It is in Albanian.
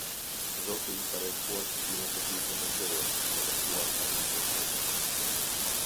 Zoti i ka revokuar gjykimet e tij kundër teje, ka dëbuar armikun tënd.